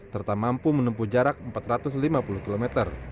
serta mampu menempuh jarak empat ratus lima puluh km